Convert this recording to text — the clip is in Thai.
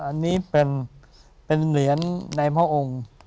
อันนี้เป็นเหรียญในพระองค์